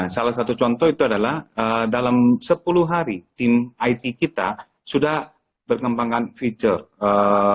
salah satu contoh itu adalah dalam sepuluh hari tim it kita sudah berkembangkan future